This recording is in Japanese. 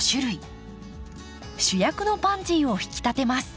主役のパンジーを引き立てます。